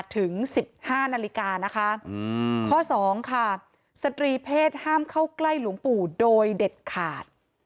ถึง๑๕นาฬิกานะคะข้อ๒ค่ะสตรีเพศห้ามเข้าใกล้หลวงปู่โดยเด็ดขาด